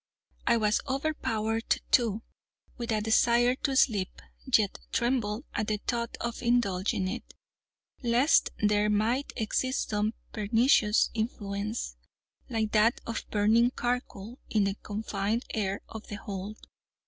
I was overpowered, too, with a desire to sleep, yet trembled at the thought of indulging it, lest there might exist some pernicious influence, like that of burning charcoal, in the confined air of the hold.